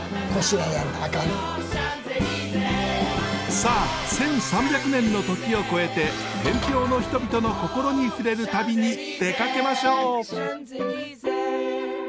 さあ１，３００年の時を超えて天平の人々の心に触れる旅に出かけましょう！